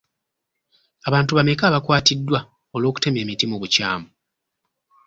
Abantu bameka abakwatiddwa olw'okutema emiti mu bukyamu?